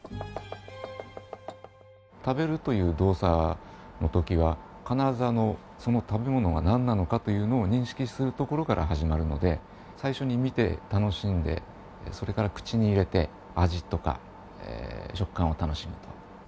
食べるという動作のときは必ずその食べ物がなんなのかというのを認識するところから始まるので最初に見て楽しんでそれから口に入れて味とか食感を楽しむと。